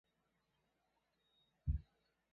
线路标志色为淡蓝色。